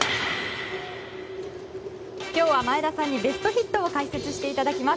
今日は前田さんにＢｅｓｔＨｉｔを解説していただきます。